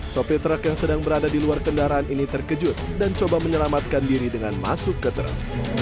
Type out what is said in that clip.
sopir truk yang sedang berada di luar kendaraan ini terkejut dan coba menyelamatkan diri dengan masuk ke truk